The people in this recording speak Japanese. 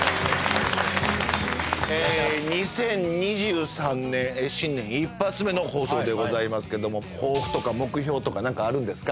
２０２３年新年一発目の放送でございますけども抱負とか目標とか何かあるんですか？